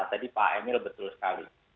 tadi pak emil betul sekali